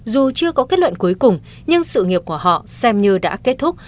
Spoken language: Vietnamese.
dù chưa có kết luận cuối cùng nhưng sự nghiệp của họ xem như đã kết thúc